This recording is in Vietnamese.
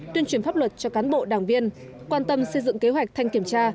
tuyên truyền pháp luật cho cán bộ đảng viên quan tâm xây dựng kế hoạch thanh kiểm tra